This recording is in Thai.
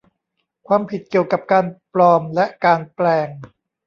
ความผิดเกี่ยวกับการปลอมและการแปลง